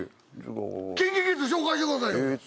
ＫｉｎＫｉＫｉｄｓ紹介してくださいよえー